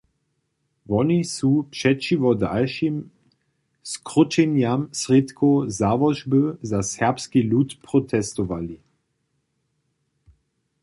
Woni su přećiwo dalšim skrótšenjam srědkow Załožby za serbski lud protestowali.